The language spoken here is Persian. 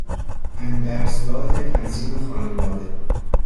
اندرزگاه تنظیم خانواده